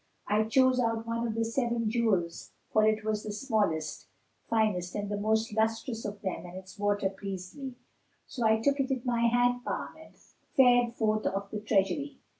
I chose out one of the seven jewels, for it was the smallest, finest and most lustrous of them and its water pleased me; so I took it in my hand palm and fared forth of the treasury.